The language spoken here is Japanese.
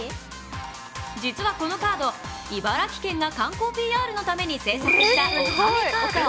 実はこのカード、茨城県が観光ＰＲのために製作した女将カード。